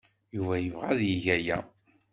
Yuba yebɣa ad yeg aya.